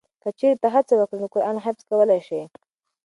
که چېرې ته هڅه وکړې نو قرآن حفظ کولی شې.